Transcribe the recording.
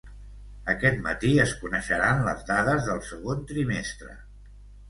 Aquest matí es coneixeran les dades del segon trimestre